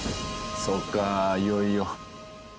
そうかいよいよ。